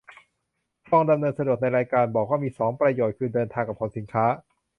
คลองดำเนินสะดวก ในรายการบอกว่ามีสองประโยชน์คือ เดินทาง กับ ขนสินค้า